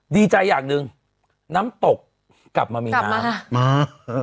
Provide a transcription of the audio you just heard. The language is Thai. ดีใจอย่างหนึ่งน้ำตกกลับมามีน้ำมา